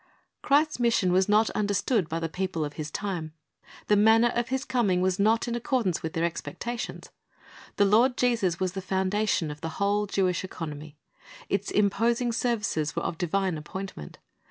Christ's mission was not understood by the people of His time. The manner of His coming was not in accord ance with their expectations. The Lord Jesus was the foundation of the whole Jewish economy. Its imposing .services were of divine appointment.